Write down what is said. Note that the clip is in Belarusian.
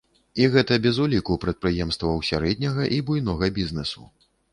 І гэта без уліку прадпрыемстваў сярэдняга і буйнога бізнэсу.